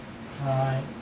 はい。